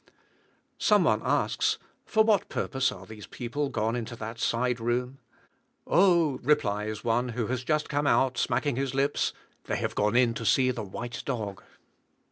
Some one asks, "For what purpose are these people gone into that side room?" "O," replies one who has just come out, smacking his lips, "they have gone in to see the white dog!"